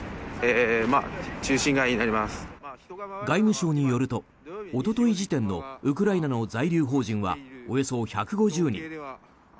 外務省によるとおととい時点のウクライナの在留邦人はおよそ１５０人。